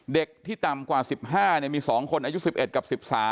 เด็กที่ต่ำกว่า๑๕มี๒คนอายุ๑๑กับ๑๓